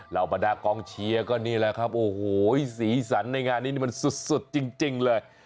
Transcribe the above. บรรดากองเชียร์ก็นี่แหละครับโอ้โหสีสันในงานนี้นี่มันสุดจริงเลย